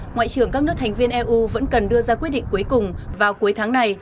ngoại trưởng các nước thành viên eu vẫn cần đưa ra quyết định cuối cùng vào cuối tháng này